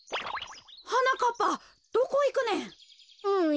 はなかっぱどこいくねん？